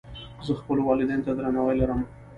زه خپلو والدینو ته درناوی لرم.